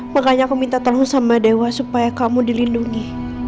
makanya aku minta tolong sama dewa supaya kamu dilindungi